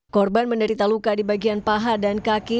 korban menderita luka di bagian paha dan kaki